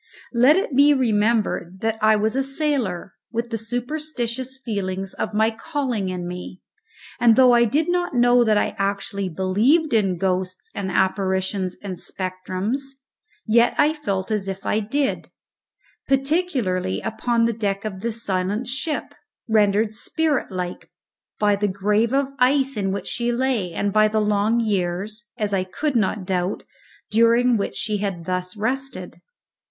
Let it be remembered that I was a sailor, with the superstitious feelings of my calling in me, and though I do not know that I actually believed in ghosts and apparitions and spectrums, yet I felt as if I did; particularly upon the deck of this silent ship, rendered spirit like by the grave of ice in which she lay and by the long years (as I could not doubt) during which she had thus rested.